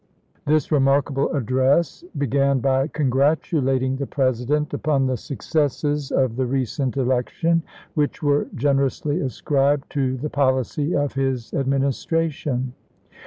This remarkable address began by congratu lating the President upon the successes of the recent election, which were generously ascribed to the policy of his Administration.